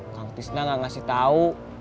kakak tisna nggak ngasih tau